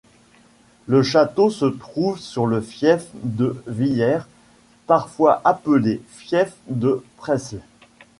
Le château se trouve sur le fief de Villiers, parfois appelé fief de Presles.